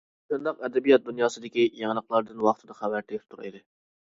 مۇشۇنداق ئەدەبىيات دۇنياسىدىكى يېڭىلىقلاردىن ۋاقتىدا خەۋەر تېپىپ تۇرايلى.